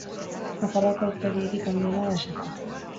Nafarroako urtegirik handiena da Esakoa.